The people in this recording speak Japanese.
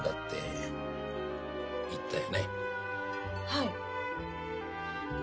はい。